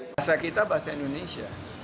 bahasa kita bahasa indonesia